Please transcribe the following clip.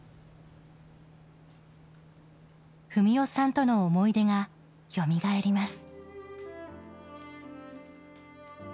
二三代さんとの思い出がよみがえります。